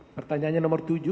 pertanyaannya nomor tujuh